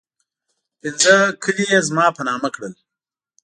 پنځه کلي یې زما په نامه کړل.